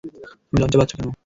তুমি লজ্জা পাচ্ছো কেন।